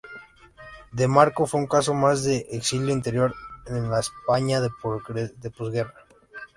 De Marco fue un caso más de "exilio interior" en la España de posguerra.